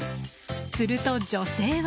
すると、女性は。